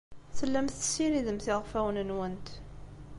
Tellamt tessidiremt iɣfawen-nwent.